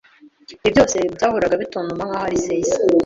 Ibi byose byahoraga bitontoma nkaho ari seis